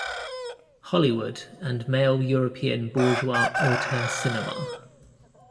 Hollywood and male European bourgeois auteur cinema.